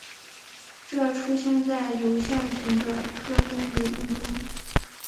这出现在有限群的特征理论中。